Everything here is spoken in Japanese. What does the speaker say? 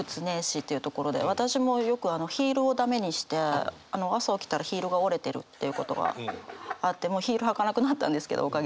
私もよくヒールを駄目にして朝起きたらヒールが折れてるっていうことがあってもうヒール履かなくなったんですけどおかげで。